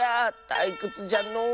たいくつじゃのう。